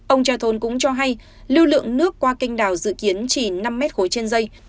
ông chathol cũng cho hay lưu lượng nước qua canh đào dự kiến chỉ năm mét khối trên dây